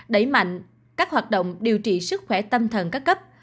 đẩy mạnh các hoạt động điều trị sức khỏe tâm thần các cấp